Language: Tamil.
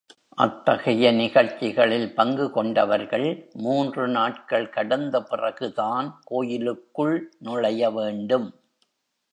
அத்தகைய நிகழ்ச்சிகளில் பங்கு கொண்டவர்கள், மூன்று நாட்கள் கடந்த பிறகுதான் கோயிலுக்குள் நுழைய வேண்டும்.